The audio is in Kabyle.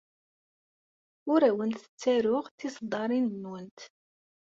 Ur awent-ttaruɣ tiṣeddarin-nwent.